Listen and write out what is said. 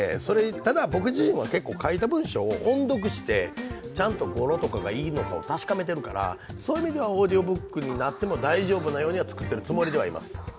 ただ、僕自身は書いた文章を音読してちゃんと語呂とかがいいのか確かめているからそういう意味ではオーディオブックになっても大丈夫なように作ってはいます。